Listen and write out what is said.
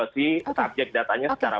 si subjek datanya secara